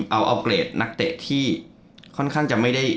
เอาเกรดนักเตะที่ค่อนข้างจะไม่ได้